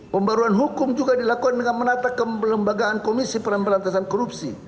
pembaruan hukum juga dilakukan dengan menata kelembagaan komisi pemberantasan korupsi